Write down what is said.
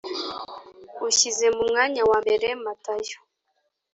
ushyize mu mwanya wa mbere Matayo